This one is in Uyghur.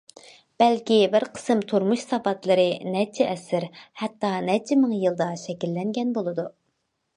بەلكى بىر قىسىم تۇرمۇش ساۋاتلىرى نەچچە ئەسىر، ھەتتا نەچچە مىڭ يىلدا شەكىللەنگەن بولىدۇ.